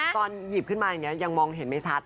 ตอนหยิบขึ้นมาอย่างนี้ยังมองเห็นไม่ชัด